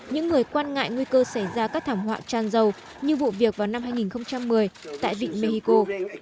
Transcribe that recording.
những người quan ngại nguy cơ xảy ra các thảm họa tràn dầu như vụ việc vào năm hai nghìn một mươi tại vịnh mexico